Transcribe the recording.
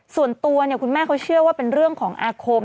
ส่วนตัวคุณแม่เขาเชื่อว่าเป็นเรื่องของอาคม